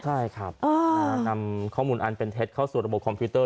ใช่ครับนำข้อมูลอันเป็นเท็จเข้าสู่ระบบคอมพิวเต